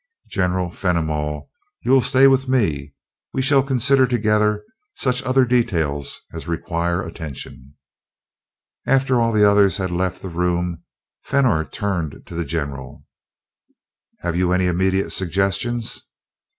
General Fenimol, you will stay with me we shall consider together such other details as require attention." After the others had left the room Fenor turned to the general. "Have you any immediate suggestions?"